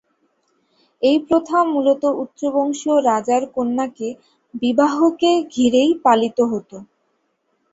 এই প্রথা মুলত উচ্চবংশীয় রাজার কন্যাকে বিবাহকে ঘিরেই পালিত হত।